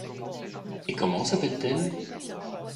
Et comment s’appelle-t-elle ?